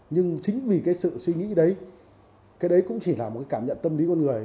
nhưng chính vì cái sự suy nghĩ đấy cái đấy cũng chỉ là một cái cảm nhận tâm lý con người